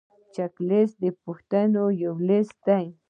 چک لیست د پوښتنو یو لیست دی.